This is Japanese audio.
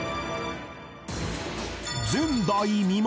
前代未聞！